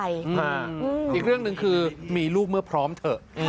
อีกเรื่องหนึ่งคือมีลูกเมื่อพร้อมเถอะ